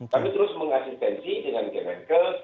kami terus mengasistensi dengan kemenkel